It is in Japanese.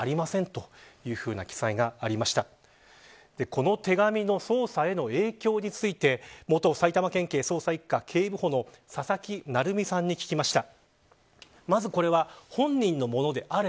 この手紙の捜査への影響について元埼玉県警捜査一課、警部補の佐々木成三さんに聞きました。